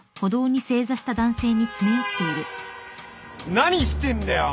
何してんだよお前。